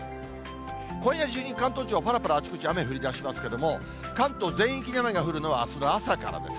今夜中に関東地方はぱらぱら、あちこち雨降りだしますけれども、関東全域に雨が降るのはあすの朝からです。